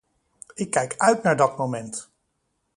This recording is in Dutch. Ik kijk uit naar dat moment!